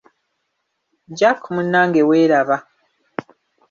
Jack munnange weraba.